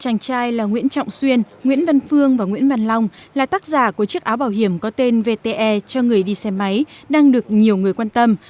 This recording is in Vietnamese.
chàng trai là nguyễn trọng xuyên nguyễn văn phương và nguyễn văn long là tác giả của chiếc áo bảo hiểm có tên vte cho người đi xe máy đang được nhiều người quan tâm